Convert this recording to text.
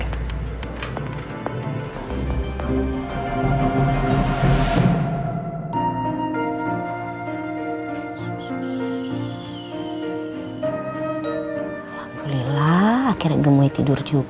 alhamdulillah akhirnya gemui tidur juga